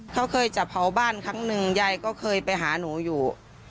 เขาเคยจะเผาบ้านครั้งหนึ่งยายก็เคยไปหาหนูอยู่